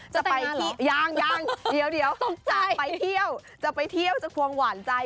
จะไปยังยังเดี๋ยวจะไปเที่ยวจะไปเที่ยวจะควงหวานใจ